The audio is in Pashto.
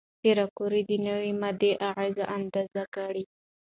پېیر کوري د نوې ماده اغېزې اندازه کړه.